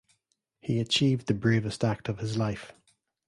He achieved the bravest act of his life.